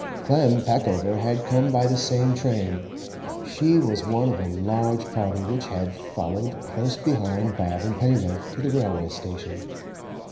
Clem Peckover had come by the same train; she was one of a large party which had followed close behind Bob and Pennyloaf to the railway station.